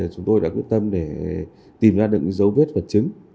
chúng tôi đã quyết tâm để tìm ra được những dấu vết vật chứng